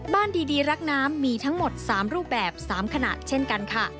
ดีรักน้ำมีทั้งหมด๓รูปแบบ๓ขนาดเช่นกันค่ะ